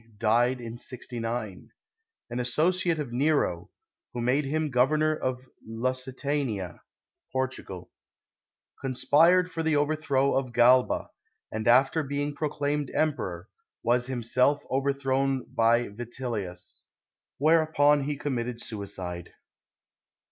died in 69; an associate of Nero, who made him Got «)rnor of Lusitania (Portugal) ; conspired for the overthrow of Oalba, and after being proclaimed Emperor, was himself overthrown by Vitellius, whereupon he conmiitted suicide.